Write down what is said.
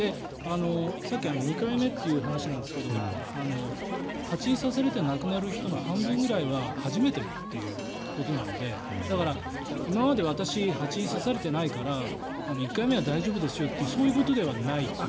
さっきの２回目という話なんですけど蜂に刺されて亡くなる人の半分ぐらいは初めてっていうことなのでだから、今まで私蜂に刺されていないから１回目は大丈夫ですよってそういうことではないという。